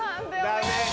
ダメ。